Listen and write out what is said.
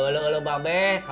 loh apa ini